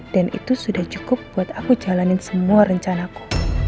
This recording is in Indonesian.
dan itu sudah cukup buat aku jalanin semua rencanaku